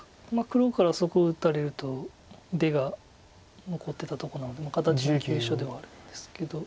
黒からそこを打たれると出が残ってたとこなので形の急所ではあるんですけど。